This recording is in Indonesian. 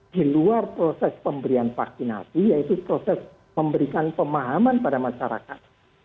di luar proses pemberian vaksinasi yaitu proses memberikan pemahaman pada masyarakat